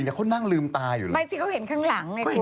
เขานั่งลืมตาอยู่แล้วไม่สิเขาเห็นข้างหลัง